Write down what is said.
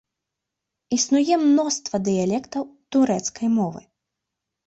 Існуе мноства дыялектаў турэцкай мовы.